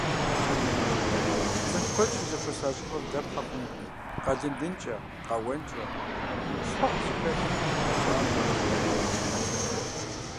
ЦӀыху куэд щызэхуэса щӀыпӀэм дэпхьэ хъунукъым къэлыдынкӀэ, къэуэнкӀэ, щхъухь зыхэлъ, мэ гуащӀэ къызыкӀэрих хьэпшыпхэр.